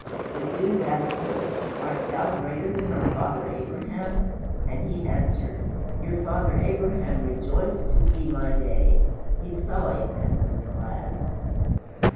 The Jews asked him, "Art thou greater than our father Abraham?" And he answered, "Your father Abraham rejoiced to see my day he saw it, and was glad."